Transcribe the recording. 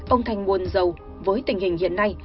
ông thành buồn giàu với tình hình hiện nay